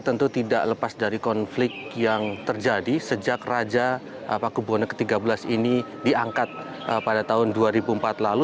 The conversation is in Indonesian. tentu tidak lepas dari konflik yang terjadi sejak raja paku buwono ke tiga belas ini diangkat pada tahun dua ribu empat lalu